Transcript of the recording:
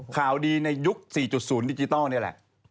ข่าวดีในยุค๔๐ดิจิทัลนี่แหละ